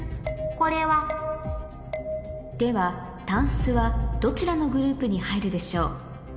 これは？では「タンス」はどちらのグループに入るでしょう？